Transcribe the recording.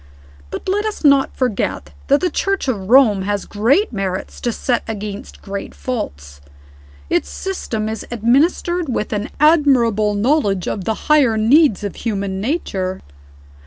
But let us not forget that the Church of Rome has great merits to set against great faults. Its system is administered with an admirable knowledge of the higher needs of human nature.